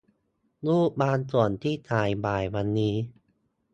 รูปบางส่วนที่ถ่ายบ่ายวันนี้